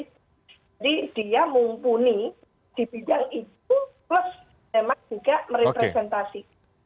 jadi dia mumpuni di bidang itu plus memang juga merepresentasi